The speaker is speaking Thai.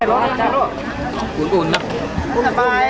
พระเจ้าข้าว